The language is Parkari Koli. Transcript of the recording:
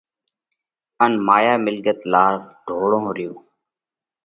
ان مايا ملڳت لار ڍوڙئھ ريو۔